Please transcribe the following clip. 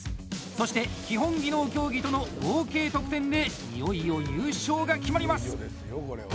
そして基本技能競技との合計得点でいよいよ優勝が決まります！